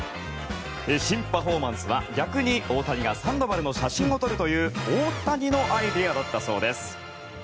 新パフォーマンスは、逆に大谷がサンドバルの写真を撮るという大谷のアイデアだったそうです。